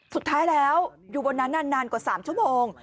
สุดท้ายแล้วอยู่บนนั้นนานกว่า๓ชั่วโมง